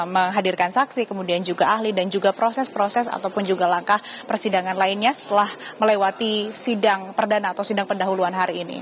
menghadirkan saksi kemudian juga ahli dan juga proses proses ataupun juga langkah persidangan lainnya setelah melewati sidang perdana atau sidang pendahuluan hari ini